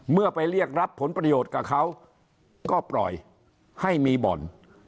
ไปเรียกรับผลประโยชน์กับเขาก็ปล่อยให้มีบ่อน